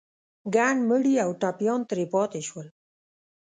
ګڼ مړي او ټپيان ترې پاتې شول.